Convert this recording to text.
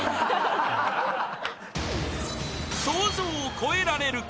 ［想像を超えられるか？］